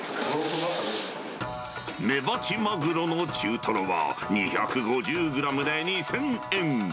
５、メバチマグロの中トロは２５０グラムで２０００円。